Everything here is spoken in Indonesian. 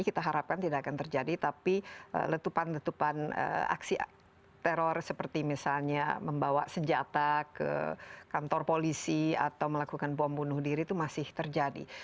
kita harapkan tidak akan terjadi tapi letupan letupan aksi teror seperti misalnya membawa senjata ke kantor polisi atau melakukan bom bunuh diri itu masih terjadi